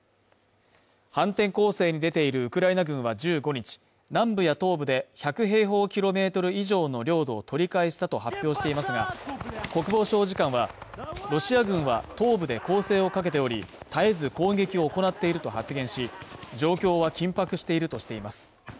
反転攻勢に出ているウクライナ軍は１５日、南部や東部で１００平方キロメートル以上の領土を取り返したと発表していますが、国防省次官はロシア軍は東部で攻勢をかけており、絶えず攻撃を行っていると発言し、状況は緊迫しているとしています。